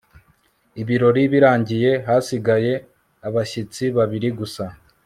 ibirori birangiye, hasigaye abashyitsi babiri gusa